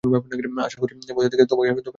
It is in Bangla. আশা করছি বসের থেকে তোকে মারার অনুমতি পাবো।